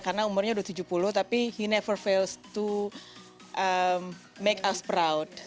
karena umurnya udah tujuh puluh tapi he never fails to make us proud